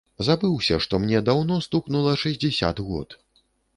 Забыўся, што мне даўно стукнула шэсцьдзесят год.